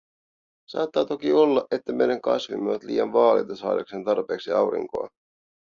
Saattaa toki olla, että meidän kasvimme ovat liian vaaleita saadakseen tarpeeksi aurinkoa.